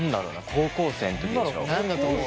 高校生の時でしょ。